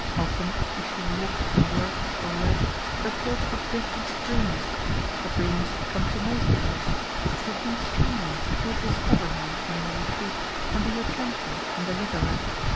Often, as she walked and worked or read, her thoughts would drift into dreams the dreams that come to most girls of a Prince Charming who would discover her in her retreat, and be her champion and deliverer.